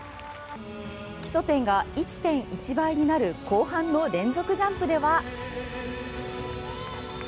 基礎点が１．１倍になる後半の連続ジャンプでは。